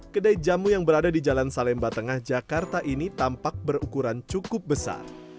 kedai jamu yang berada di jalan salemba tengah jakarta ini tampak berukuran cukup besar